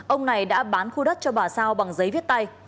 ông này đã bán khu đất cho bà sao bằng giấy viết tay